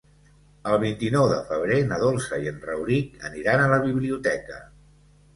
El vint-i-nou de febrer na Dolça i en Rauric aniran a la biblioteca.